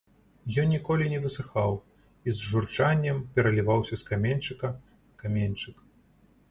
Ён ніколі не высыхаў і з журчаннем пераліваўся з каменьчыка на каменьчык.